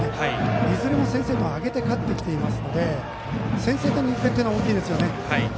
いずれも先制点を挙げて勝ってきていますので先制点の１点というのは大きいですね。